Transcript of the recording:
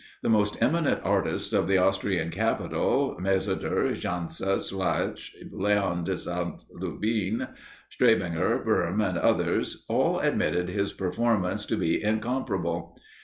The most eminent artists of the Austrian capital, Mayseder, Jansa, Slawich, Léon de St. Lubin, Strebinger, Böhm, and others, all admitted his performance to be incomparable.